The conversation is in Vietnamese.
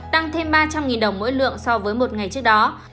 tăng thêm ba trăm linh đồng mỗi lượng so với một ngày trước đó